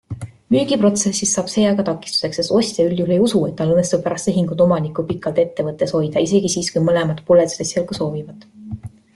Müügiprotsessis saab see aga takistuseks, sest ostja üldjuhul ei usu, et tal õnnestub pärast tehingut omanikku pikalt ettevõttes hoida, isegi siis kui mõlemad pooled esialgu seda soovivad.